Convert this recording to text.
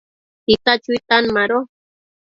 tita chuitan mado